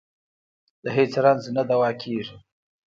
د هېڅ رنځ نه دوا کېږي.